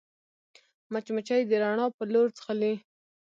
مچمچۍ د رڼا پر لور ځغلي